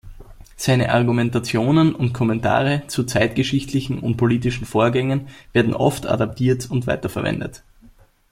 Seine Argumentationen und Kommentare zu zeitgeschichtlichen und politischen Vorgängen werden oft adaptiert und weiterverwendet.